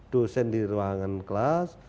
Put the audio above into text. dosen di ruangan kelas